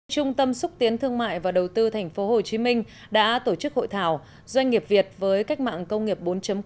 trung tâm xúc tiến thương mại và đầu tư tp hcm đã tổ chức hội thảo doanh nghiệp việt với cách mạng công nghiệp bốn